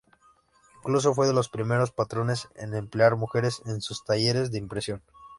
Incluso fue de los primeros patrones en emplear mujeres en sus talleres de impresión.